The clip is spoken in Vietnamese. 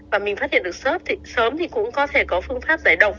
và mình phát hiện được sớm thì cũng có thể có phương pháp giải độc